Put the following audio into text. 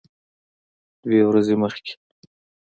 دوه ورځې مخکې